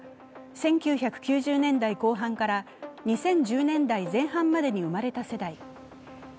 Ｚ世代とは１９９０年代後半から２０１０年代前半までに生まれた世代。